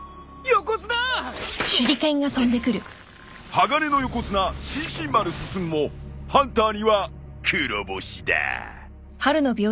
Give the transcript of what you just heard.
鋼鉄の横綱進心丸奨もハンターには黒星だ。